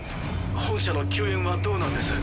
本社の救援はどうなんです？